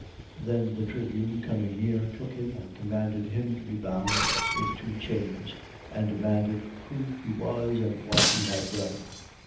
21:33. Then the tribune, coming near, took him and commanded him to be bound with two chains: and demanded who he was and what he had done.